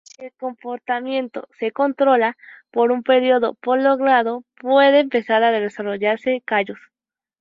Si el comportamiento se controla por un período prolongado, puede empezar a desarrollarse callos.